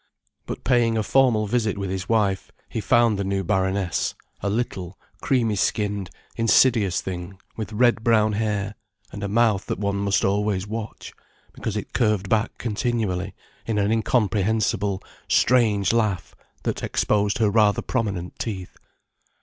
But paying a formal visit with his wife, he found the new Baroness a little, creamy skinned, insidious thing with red brown hair and a mouth that one must always watch, because it curved back continually in an incomprehensible, strange laugh that exposed her rather prominent teeth.